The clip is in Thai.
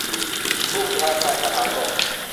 ผู้บัญชาการทหารบก